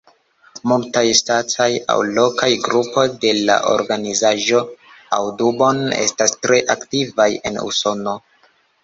Multaj ŝtataj aŭ lokaj grupoj de la organizaĵo Audubon estas tre aktivaj en Usono.